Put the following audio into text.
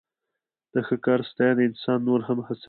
د ښه کار ستاینه انسان نور هم هڅوي.